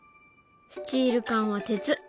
スチール缶は鉄。